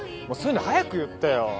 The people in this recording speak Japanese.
もうそういうの早く言ってよ。